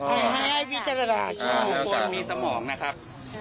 ให้พิจารณาที่ทุกคนมีสมองนะครับ